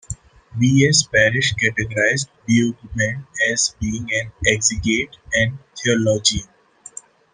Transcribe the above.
V. S. Parrish categorized Brueggemann as being an exegete and theologian.